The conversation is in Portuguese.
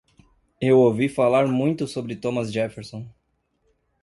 Eu ouvir falar muito sobre Thomas Jefferson.